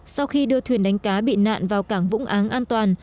sau khi đưa thuyền đánh cá bị nạn vào cảng vũng áng an toàn